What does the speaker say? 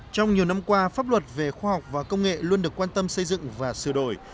trong nhiều năm qua pháp luật về khoa học và công nghệ luôn được quan tâm xây dựng và sửa đổi